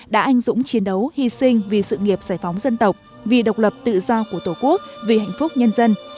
đã anh dũng chiến đấu hy sinh vì sự nghiệp giải phóng dân tộc vì độc lập tự do của tổ quốc vì hạnh phúc nhân dân